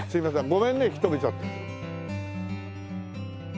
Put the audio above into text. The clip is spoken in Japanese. ごめんね引き留めちゃって。